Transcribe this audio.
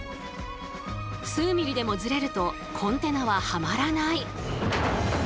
数ミリでもズレるとコンテナははまらない。